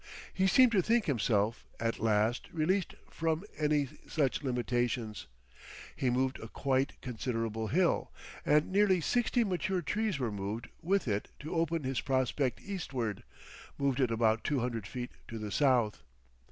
He seemed to think himself, at last, released from any such limitations. He moved a quite considerable hill, and nearly sixty mature trees were moved with it to open his prospect eastward, moved it about two hundred feet to the south.